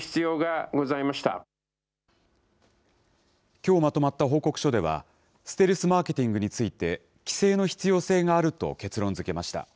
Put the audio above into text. きょうまとまった報告書では、ステルスマーケティングについて、規制の必要性があると結論づけました。